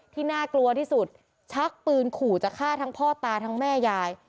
ที่น่ากลัวที่สุดชักปืนขู่จะฆ่าทั้งพ่อตาทั้งแม่ยาย